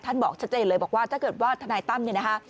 บอกชัดเจนเลยบอกว่าถ้าเกิดว่าทนายตั้มเนี่ยนะคะ